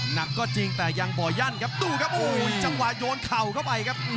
หนักก็จริงแต่ยังบ่อยั่นครับดูครับโอ้โหจังหวะโยนเข่าเข้าไปครับ